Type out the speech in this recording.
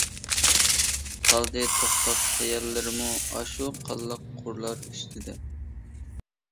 قالدى توختاپ خىياللىرىممۇ، ئاشۇ قانلىق قۇرلار ئۈستىدە.